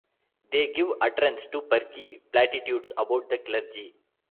They give utterance to perky platitudes about the clergy.